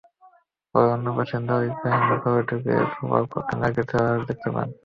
পরে অন্য বাসিন্দারা ইব্রাহিমের ঘরে ঢুকে শোবার কক্ষে নার্গিসের লাশ দেখতে পান।